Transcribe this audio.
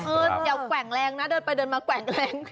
อย่าแกว่งแรงนะเดินไปเดินมาแกว่งแรง